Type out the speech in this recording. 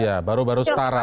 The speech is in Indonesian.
ya baru baru setara